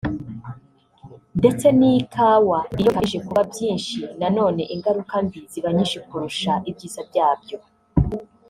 ndetse n’ikawa iyo bikabije kuba byinshi na none ingaruka mbi ziba nyinshi kurusha ibyiza byabyo